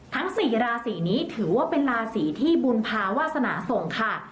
ทั้ง๔ราศีนี้ถือว่าเป็นราศีที่บุญภาวาสนาส่งค่ะ